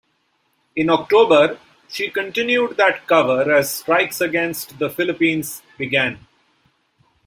In October, she continued that cover as strikes against the Philippines began.